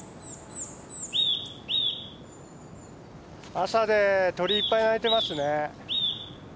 朝で鳥いっぱい鳴いてますね。